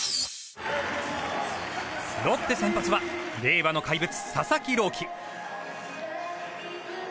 ロッテ先発は令和の怪物・佐々木朗希。